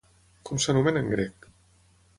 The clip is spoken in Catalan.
Com s'anomena en grec?